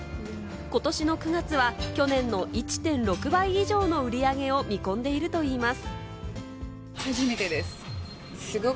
ことしの９月は去年の１．６倍以上の売り上げを見込んでいるといいます。